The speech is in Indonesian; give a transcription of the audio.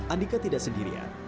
andika tidak sendirian